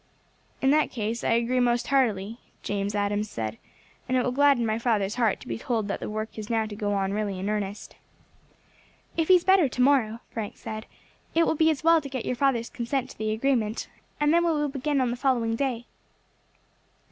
"In that case I agree most heartily," James Adams said, "and it will gladden my father's heart to be told that the work is now to go on really in earnest." "If he is better to morrow," Frank said, "it will be as well to get your father's consent to the agreement, and then we will begin on the following day."